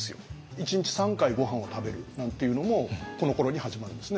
１日３回ごはんを食べるなんていうのもこのころに始まるんですね。